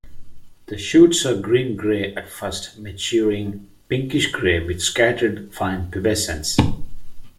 The shoots are green-grey at first, maturing pinkish-grey, with scattered fine pubescence.